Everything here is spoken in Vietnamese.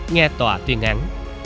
nghe tòa tuyên án